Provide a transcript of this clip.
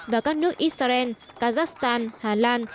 và các nước israel kazakhstan hà lan